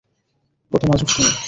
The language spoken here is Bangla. কতো নাজুক তুমি!